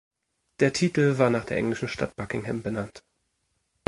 Der Titel war nach der englischen Stadt Buckingham benannt.